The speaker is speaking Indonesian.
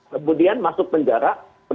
kemudian masuk penjara